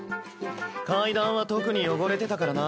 階段は特に汚れてたからな。